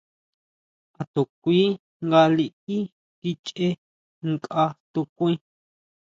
A to kui nga liʼí kichʼe nkʼa tukuí.